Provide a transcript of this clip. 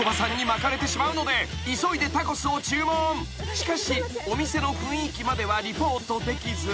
［しかしお店の雰囲気まではリポートできず］